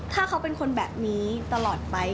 ถ้าเขาเป็นคนแบบนี้ตลอดไป